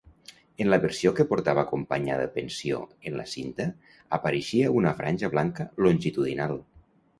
En la versió que portava acompanyada pensió en la cinta apareixia una franja blanca longitudinal.